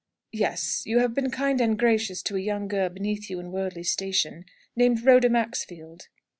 "Yes; you have been kind and gracious to a young girl beneath you in worldly station, named Rhoda Maxfield."